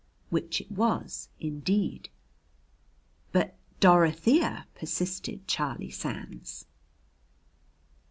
Which it was indeed. "But Dorothea!" persisted Charlie Sands.